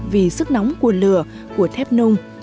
vì sức nóng của lửa của thép nung